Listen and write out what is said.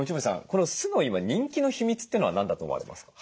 この酢の今人気の秘密ってのは何だと思われますか？